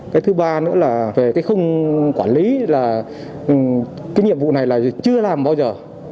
cái thứ ba nữa là về cái khung quản lý là cái nhiệm vụ này là gì chưa làm bao giờ